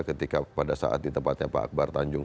ketika pada saat di tempatnya pak akbar tanjung